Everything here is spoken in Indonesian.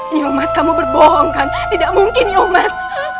nyomas kamu berbohong kan tidak mungkin nyomas